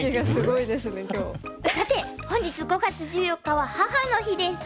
さて本日５月１４日は母の日です。